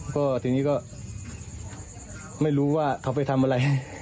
ก็ทีนี้ก็ไม่รู้ว่าเขาไปทำอะไรให้